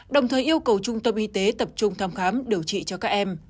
đồng thời yêu cầu trung tâm y tế tập trung thăm khám điều trị cho các em